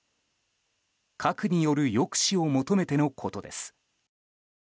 核による抑止を求めてのことです。